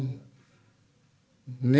các đồng chí